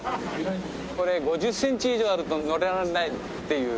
これ５０センチ以上あると乗られないっていう。